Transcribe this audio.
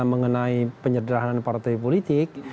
mengenai penyederhanan partai politik